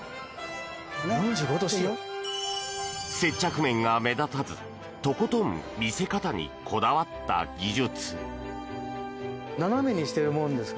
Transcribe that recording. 接着面が目立たず、とことん見せ方にこだわった技術。